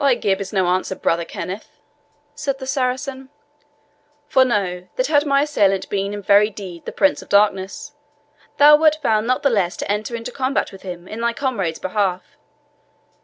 "Thy gibe is no answer, brother Kenneth," said the Saracen; "for know, that had my assailant been in very deed the Prince of Darkness, thou wert bound not the less to enter into combat with him in thy comrade's behalf.